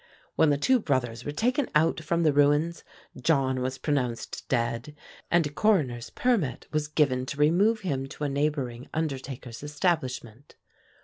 When the two brothers were taken out from the ruins, John was pronounced dead and a coroner's permit was given to remove him to a neighboring undertaker's establishment.